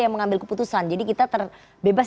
yang mengambil keputusan jadi kita terbebas